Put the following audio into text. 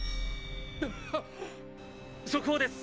「速報です！